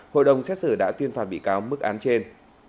hội đồng xét xử đã tuyên phạt bị cáo mức án trên